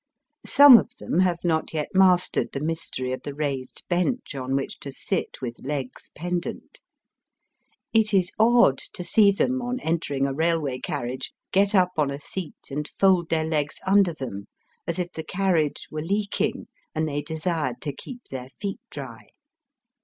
Some of them have not yet mastered the mystery of the raised bench on which to sit with legs pendant. It is odd to see them on entering a railway carriage get up on a seat and fold their legs under them as if the carriage were leaking and they desired to keep their feet dry.